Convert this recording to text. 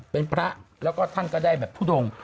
เป็นพระแล้วก็ท่านก็ได้ส่งพุทธตรง